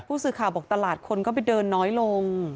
ผู้สื่อข่าวบอกตลาดคนก็ไปเดินน้อยลง